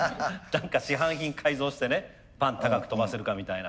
何か市販品改造してねパン高く跳ばせるかみたいな。